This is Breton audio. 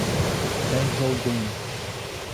teir zaol gwenn.